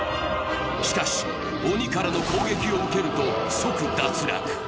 しかし鬼からの攻撃を受けると即脱落。